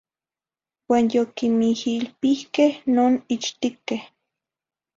Uan yoquimiilpihqueh non ichtiqueh.